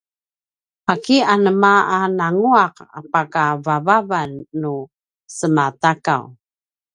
’aki anema a nangua’ a pakavavavan nu semaTakaw?